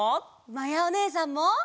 まやおねえさんも！